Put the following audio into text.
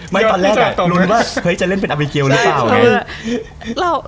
ไม่ตลอดอะรู้ว่าเฮ้ยจะเล่นเป็นอับริเกียลหรือเปล่าไง